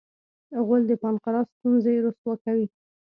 غول د پانقراس ستونزې رسوا کوي.